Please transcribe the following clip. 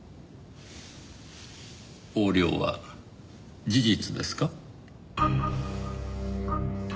横領は事実ですか？